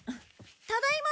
ただいま。